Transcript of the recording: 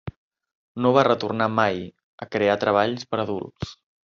No va retornar mai a crear treballs per a adults.